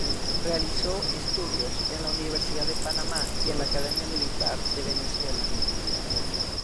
Realizó estudios en la Universidad de Panamá y en la Academia Militar de Venezuela.